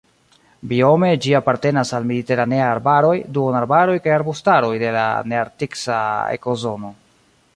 Biome ĝi apartenas al mediteraneaj arbaroj, duonarbaroj kaj arbustaroj de la nearktisa ekozono.